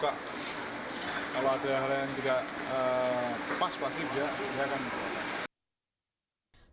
kalau ada hal hal yang tidak pas pasti dia akan